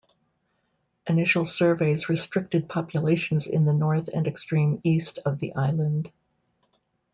Initial surveys restricted populations in the north and extreme east of the island.